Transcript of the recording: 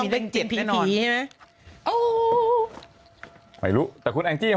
ต้องมีเลข๗มั๊ย